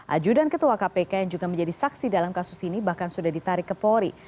ajudan ketua kpk yang juga menjadi saksi dalam kasus ini bahkan sudah ditarik ke polri